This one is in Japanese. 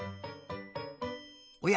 おや？